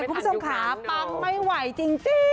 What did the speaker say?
คุณผู้ชมค่ะปั๊งไม่ไหวจริง